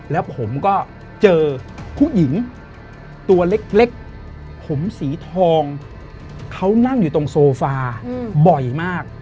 แล้วผมก็เจอผู้หญิงตัวเล็กผมสีทองเขานั่งอยู่ตรงโซฟาบ่อยมาก